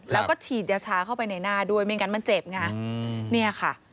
แล้วก็ฉีดยาชาเข้าไปในหน้าด้วยไม่งั้นมันเจ็บไงเนี่ยค่ะ